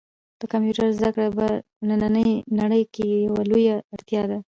د کمپیوټر زده کړه په نننۍ نړۍ کې یوه لویه اړتیا ده.